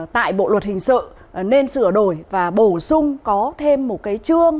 tại bộ luật hình sự nên sửa đổi và bổ sung có thêm một cái chương